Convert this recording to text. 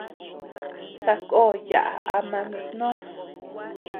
Sakó yaʼa ama nutnós.